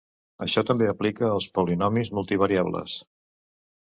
Això també aplica als polinomis multivariables.